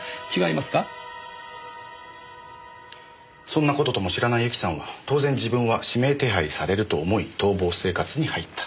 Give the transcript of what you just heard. そんな事とも知らないユキさんは当然自分は指名手配されると思い逃亡生活に入った。